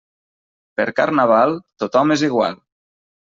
Per Carnaval, tothom és igual.